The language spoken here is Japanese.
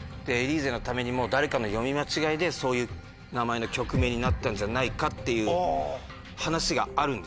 『エリーゼのために』も誰かの読み間違えでそういう名前の曲名になったんじゃないかっていう話があるんです。